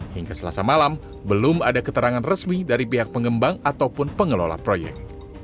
hingga selasa malam belum ada keterangan resmi dari pihak pengembang ataupun pengelola proyek